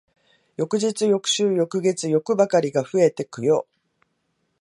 翌日、翌週、翌月、欲ばかりが増えてくよ。